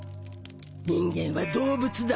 人間は動物だ